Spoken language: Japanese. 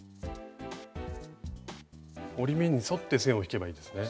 折り目に沿って線を引けばいいんですね。